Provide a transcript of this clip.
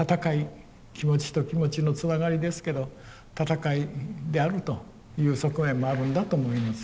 気持ちと気持ちのつながりですけど闘いであるという側面もあるんだと思います。